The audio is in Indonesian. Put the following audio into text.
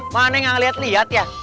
mana yang liat liat ya